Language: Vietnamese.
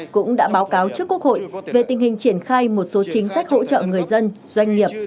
cũng đã báo cáo trước quốc hội về tình hình triển khai một số chính sách hỗ trợ người dân doanh nghiệp